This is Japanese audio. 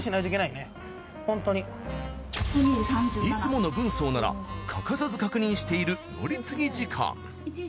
いつもの軍曹なら欠かさず確認している乗り継ぎ時間。